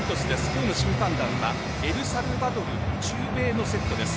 今日の審判団はエルサルバドル中米のセットです。